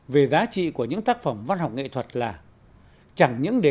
về giá trị của những tác phẩm văn học nghệ thuật là